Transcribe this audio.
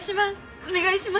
お願いします！